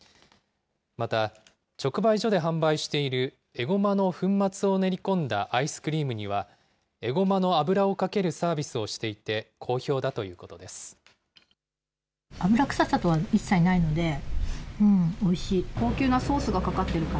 また直売所で販売しているエゴマの粉末を練り込んだアイスクリームには、エゴマの油をかけるサービスをしていて、好評だということです。